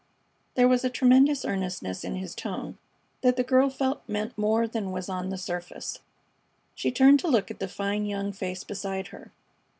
There was a tremendous earnestness in his tone that the girl felt meant more than was on the surface. She turned to look at the fine young face beside her.